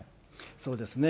そうですね。